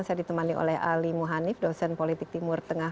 saya ditemani oleh ali muhanif dosen politik timur tengah